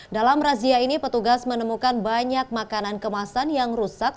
dalam razia ini petugas menemukan banyak makanan kemasan yang rusak